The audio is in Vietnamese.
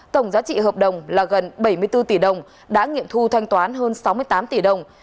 tổng giá trị hợp đồng là gần bảy mươi bốn tỷ đồng đã nghiệm thu thanh toán hơn sáu mươi tám tỷ đồng